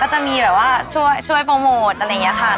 จะมีแบบว่าช่วยโปรโมทอะไรอย่างนี้ค่ะ